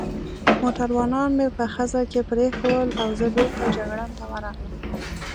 موټروانان مې په خزه کې پرېښوول او زه بېرته جګړن ته ورغلم.